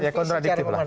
ya kontradiktif lah